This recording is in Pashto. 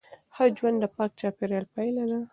ښه ژوند د پاک چاپیریال پایله ده.